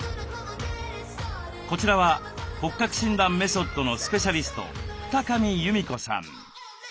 こちらは骨格診断メソッドのスペシャリスト二神弓子さん。